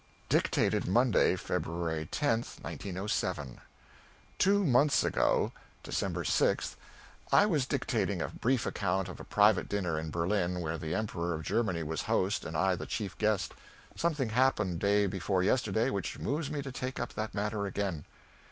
[Dictated Monday, February 10, 1907.] Two months ago (December 6) I was dictating a brief account of a private dinner in Berlin, where the Emperor of Germany was host and I the chief guest. Something happened day before yesterday which moves me to take up that matter again.